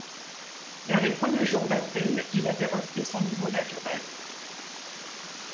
Vers les premiers jours d’avril, il avait repris son niveau naturel.